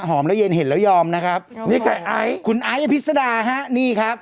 แล้วเย็นเห็นแล้วยอมนะครับนี่ใครไอซ์คุณไอ้อภิษดาฮะนี่ครับ